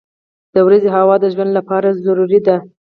• د ورځې هوا د ژوند لپاره ضروري ده.